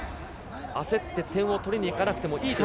焦って点を取りにいかなくてもいいと。